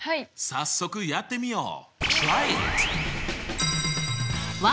早速やってみよう！